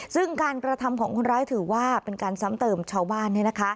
ซึ่งการกระทำของคนร้ายถือว่าเป็นการซ้ำเติมชาวบ้าน